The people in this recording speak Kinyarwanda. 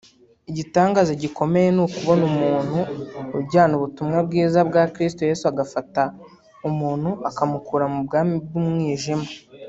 Igitangaza gikomeye ni ukubona umuntu ujyana ubutumwa bwiza bwa Kristo Yesu agafata umuntu akamukura mu bwami bw’umwijima